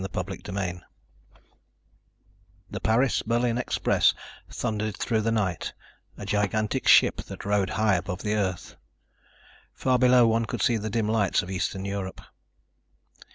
CHAPTER ELEVEN The Paris Berlin express thundered through the night, a gigantic ship that rode high above the Earth. Far below one could see the dim lights of eastern Europe.